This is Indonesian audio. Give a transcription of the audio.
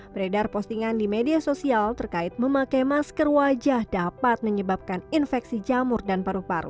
beredar postingan di media sosial terkait memakai masker wajah dapat menyebabkan infeksi jamur dan paru paru